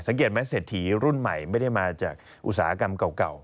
สังเกตไหมเศรษฐีรุ่นใหม่ไม่ได้มาจากอุตสาหกรรมเก่า